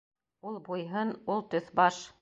Ул буй-һын, ул төҫ-баш!